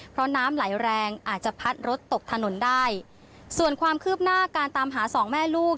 เพราะน้ำไหลแรงอาจจะพัดรถตกถนนได้ส่วนความคืบหน้าการตามหาสองแม่ลูก